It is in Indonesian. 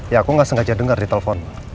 ya aku gak sengaja dengar di telpon